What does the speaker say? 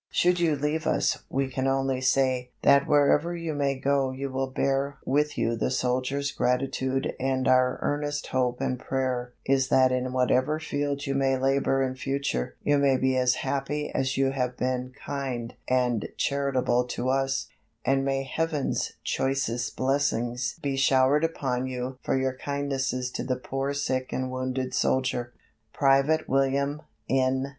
Should you leave us we can only say that wherever you may go you will bear with you the soldier's gratitude and our earnest hope and prayer is that in whatever field you may labor in future you may be as happy as you have been kind and charitable to us, and may heaven's choicest blessings be showered upon you for your kindnesses to the poor sick and wounded soldier. Private William N.